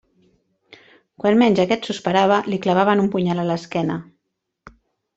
Quan menys aquest s'ho esperava, li clavaven un punyal a l'esquena.